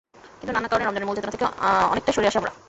কিন্তু নানা কারণে রমজানের মূল চেতনা থেকে অনেকটাই সরে আসি আমরা।